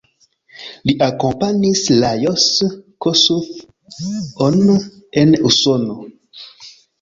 Li akompanis Lajos Kossuth-on en Usono.